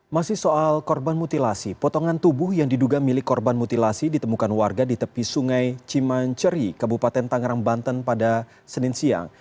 masih soal korban mutilasi potongan tubuh yang diduga milik korban mutilasi ditemukan warga di tepi sungai cimanceri kabupaten tangerang banten pada senin siang